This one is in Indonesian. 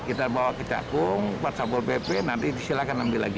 kita bawa kecakung empat sepuluh pp nanti silahkan ambil lagi